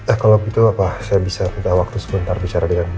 ih kalau gitu apasih bisa kita waktu sebentar vir cattle